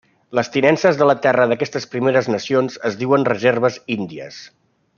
Les tinences de la terra d'aquestes Primeres Nacions es diuen reserves índies.